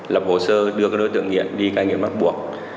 lập hồ sơ đưa các đối tượng nghiện đi cai nghiện bắt buộc